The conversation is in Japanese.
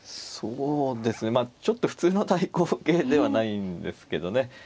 そうですねまあちょっと普通の対抗型ではないんですけどね。